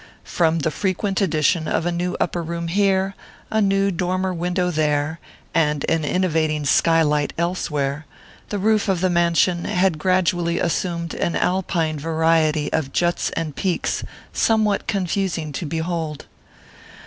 From the frequent addition of a 1* 10 ORPHEUS C. KERR PAPERS. new upper room here, a new dormer window there, and an innovating skylight elsewhere, the roof of the mansion had gradually assumed an Alpine variety of juts and peaks somewhat confusing to behold.